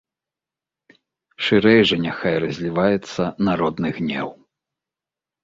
Шырэй жа няхай разліваецца народны гнеў!